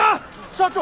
社長！